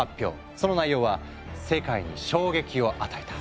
その内容は世界に衝撃を与えた。